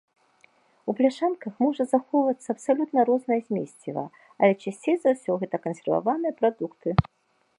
У бляшанках можа захоўвацца абсалютна рознае змесціва, але часцей за ўсё гэта кансерваваныя прадукты.